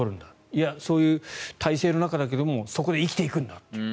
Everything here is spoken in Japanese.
いや、そういう体制の中だけどもそこで生きていくんだっていう。